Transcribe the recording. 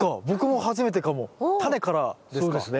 僕も初めてかも。タネからですか？